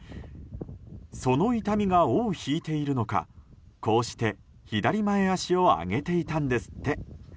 その痛みが尾を引いているのかこうして左前脚を上げていたんですって。